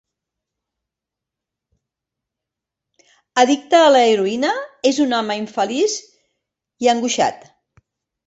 Addicte a l'heroïna, és un home infeliç i angoixat.